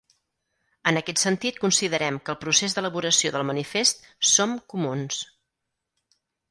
En aquest sentit considerem que el procés d’elaboració del manifest Som comuns.